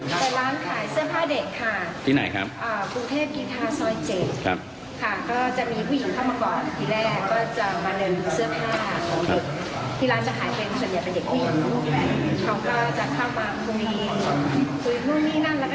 หาไปร้านขายเสื้อผ้าเด็กค่ะ